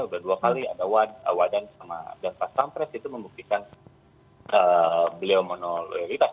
udah dua kali ada wadah sama pasampres itu membuktikan beliau monoloyalitas